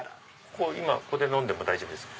ここで飲んでも大丈夫ですか？